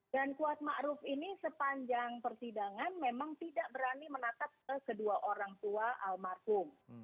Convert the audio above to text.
dan kuat maruf ini sepanjang pertidangan memang tidak berani menatap kedua orang tua almarhum